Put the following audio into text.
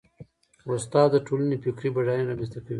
استاد د ټولنې فکري بډاینه رامنځته کوي.